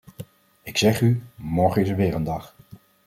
Ik zeg u: morgen is er weer een dag.